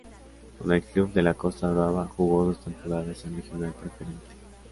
Con el club de la Costa Brava jugó dos temporadas en Regional Preferente.